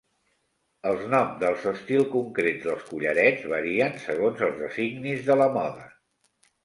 Els noms dels estils concrets dels collarets varien segons els designis de la moda.